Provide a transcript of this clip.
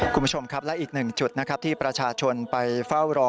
คุณผู้ชมครับและอีกหนึ่งจุดนะครับที่ประชาชนไปเฝ้ารอ